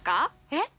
えっ？